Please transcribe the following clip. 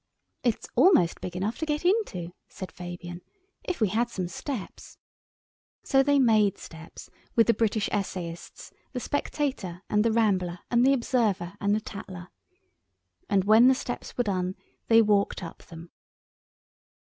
"It's almost big enough to get into," said Fabian, "if we had some steps." So they made steps with the "British Essayists," the "Spectator," and the "Rambler," and the "Observer," and the "Tatler"; and when the steps were done they walked up them.